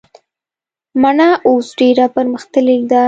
مڼه اوس ډیره پرمختللي ده